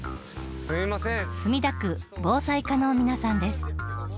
墨田区防災課の皆さんです。